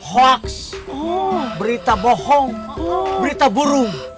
hoaks berita bohong berita burung